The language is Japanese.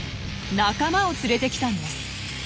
仲間を連れてきたんです。